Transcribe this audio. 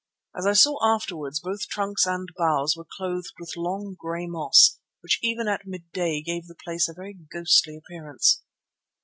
As I saw afterwards both trunks and boughs were clothed with long grey moss, which even at midday gave the place a very ghostly appearance.